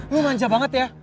lo manja banget ya